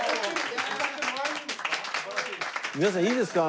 皆さんいいですか？